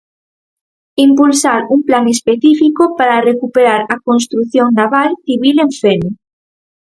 Impulsar un plan específico para recuperar a construción naval civil en Fene.